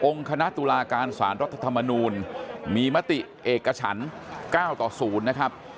คณะตุลาการสารรัฐธรรมนูลมีมติเอกฉัน๙ต่อ๐นะครับ